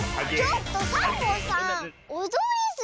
ちょっとサボさんおどりすぎ！